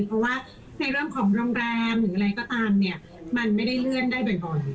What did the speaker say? เพราะว่าในเรื่องของโรงแรมหรืออะไรก็ตามเนี่ยมันไม่ได้เลื่อนได้บ่อย